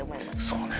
そうね。